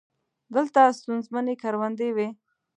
دلته ستونزمنې کروندې وې.